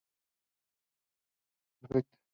Formaron una pareja perfecta.